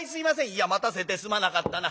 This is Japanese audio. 「いや待たせてすまなかったな。